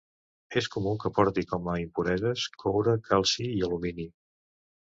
És comú que porti com a impureses: coure, calci i alumini.